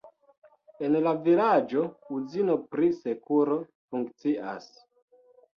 En la vilaĝo uzino pri sukero funkcias.